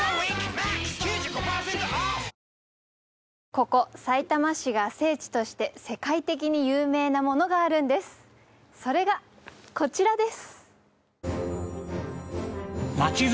ここさいたま市が聖地として世界的に有名なものがあるんですそれがこちらです